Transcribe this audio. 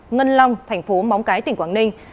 ngân long thành phố móng cái tỉnh quảng ninh